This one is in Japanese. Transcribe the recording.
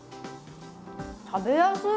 食べやすい！